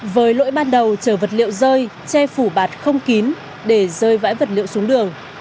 với lỗi ban đầu chở vật liệu rơi che phủ bạt không kín để rơi vãi vật liệu xuống đường